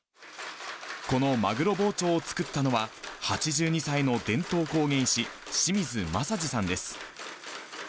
このマグロ包丁を作ったのは、８２歳の伝統工芸士、清水正治さんです。